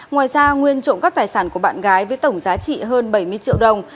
ngoài ra nguyên trộm cắp tài sản của bạn gái với tổng giá trị hơn bảy mươi triệu đồng